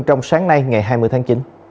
trong sáng nay ngày hai mươi tháng chín